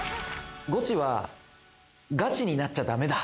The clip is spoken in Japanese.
ゴチは、ガチになっちゃだめだ。